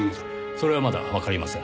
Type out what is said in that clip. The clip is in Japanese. それはまだわかりません。